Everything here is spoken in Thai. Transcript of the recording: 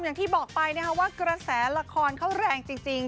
อย่างที่บอกไปนะคะว่ากระแสละครเขาแรงจริง